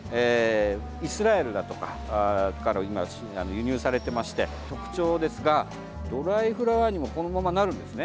イスラエルだとかから輸入されてまして特徴ですが、ドライフラワーにもこのままなるんですね。